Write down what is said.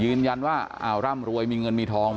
ยืนยันว่าร่ำรวยมีเงินมีทอง